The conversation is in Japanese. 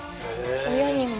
親にも？